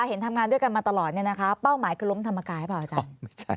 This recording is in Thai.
เห็นทำงานด้วยกันมาตลอดเป้าหมายคือล้มธรรมกายหรือเปล่าอาจารย์